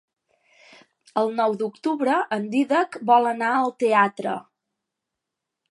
El nou d'octubre en Dídac vol anar al teatre.